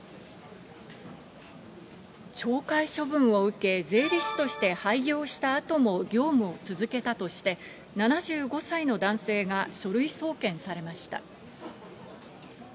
懲戒処分を受け、税理士として廃業したあとも業務を続けたとして、７５歳の男性が書類送検されました。